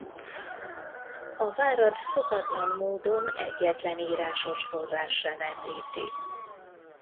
A várat szokatlan módon egyetlen írásos forrás sem említi.